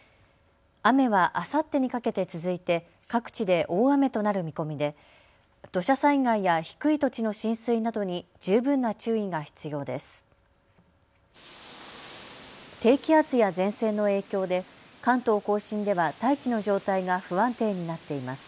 雨はあさってにかけて続いて各地で大雨となる見込みで土砂災害や低い土地の浸水などに十分な注意が必要です。